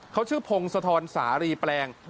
เขาชื่อพงศธรสารีแปลง